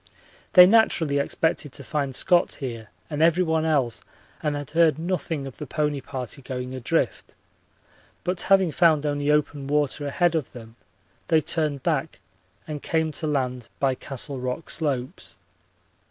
They naturally expected to find Scott here and everyone else and had heard nothing of the pony party going adrift, but having found only open water ahead of them they turned back and came to land by Castle Rock slopes.